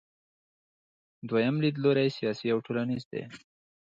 دویم لیدلوری سیاسي او ټولنیز دی.